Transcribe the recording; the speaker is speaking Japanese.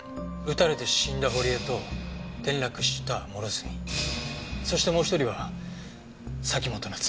撃たれて死んだ堀江と転落した諸角そしてもう一人は崎本菜津美。